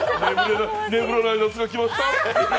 眠れない夏が来ました！